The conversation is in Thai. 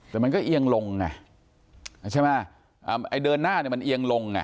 แต่มันก็เอียงลงไงใช่ไหมไอ้เดินหน้าเนี่ยมันเอียงลงไง